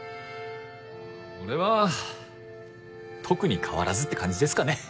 俺は特に変わらずって感じですかね。